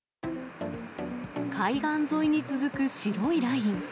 海岸沿いに続く白いライン。